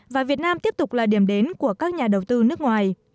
và việt nam tiếp tục là điểm đến của các nhà đầu tư nước ngoài